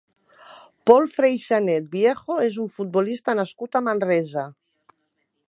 Pol Freixanet Viejo és un futbolista nascut a Manresa.